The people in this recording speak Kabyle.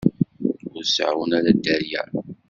Ur seɛɛun ara dderya.